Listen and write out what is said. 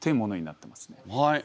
はい。